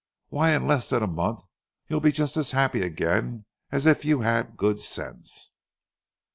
Why, in less than a month you'll be just as happy again as if you had good sense."